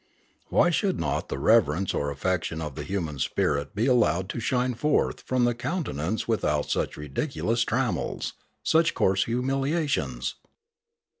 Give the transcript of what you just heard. Why should not the reverence or affection of the human spirit be allowed to shine forth from the countenance without such ridiculous trammels, such coarse humiliations